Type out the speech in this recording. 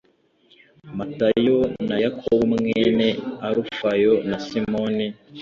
matayo na yakobo mwene alufayo na simoni